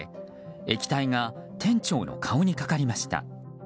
液体が店長の顔にかかりました。